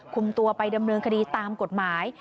คุมตัวไปดำเนินคดีตามกฎหมาย